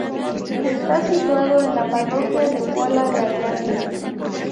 Está situado en la parroquia de Pola de Allande.